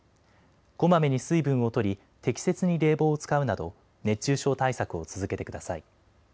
こまめに水分をとり適切に冷房を使うなど熱中症対策を続けてください。